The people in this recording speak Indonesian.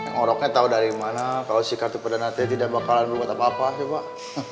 ngoroknya tau dari mana kalau si kartu perdagangan teh tidak bakalan berubah tak apa apa sih pak